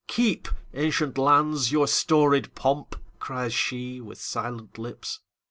"Keep, ancient lands, your storied pomp!" cries sheWith silent lips.